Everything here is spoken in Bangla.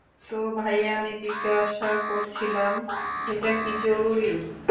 তো ভাইয়া, আমি জিজ্ঞাসা করছিলাম, এটা কি জরুরী?